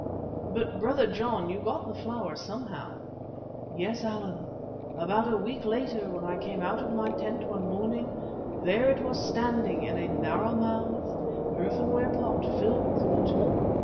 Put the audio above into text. "But, Brother John, you got the flower somehow." "Yes, Allan. About a week later when I came out of my tent one morning, there it was standing in a narrow mouthed, earthenware pot filled with water.